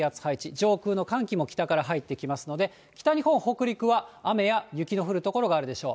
上空の寒気も北から入ってきますので、北日本、北陸は雨や雪の降る所があるでしょう。